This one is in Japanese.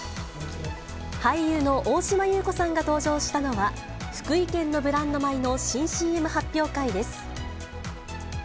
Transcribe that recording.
俳優の大島優子さんが登場したのは、福井県のブランド米の新ＣＭ発表会です。